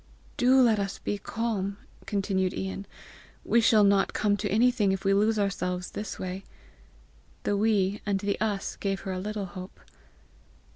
" do let us be calm!" continued Ian. "We shall not come to anything if we lose ourselves this way!" The WE and the US gave her a little hope.